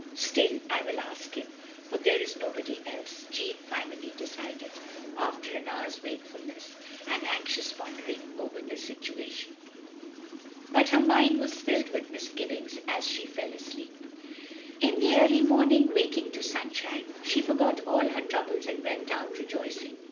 " Still — I will ask him ; for there is nobody else, " Jeanne finally decided, after an hour's wakeful ness, and anxious pondering over the situation; ISO THE LONELY LADY but her mind was filled with misgivings as she fell asleep. In the early morning, waking to sunshine, she forgot all her troubles and went out rejoicing.